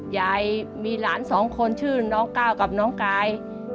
ยายมีหลานสองคนชื่อน้องก้าวกับน้องกาย